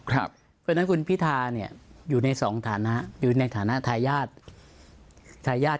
เพราะฉะนั้นคุณพิธาเนี่ยอยู่ในสองฐานะอยู่ในฐานะทายาททายาท